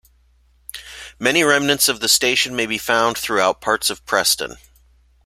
Many remnants of the station may be found throughout parts of Preston.